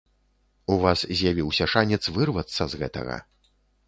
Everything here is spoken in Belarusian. У вас з'явіўся шанец вырвацца з гэтага.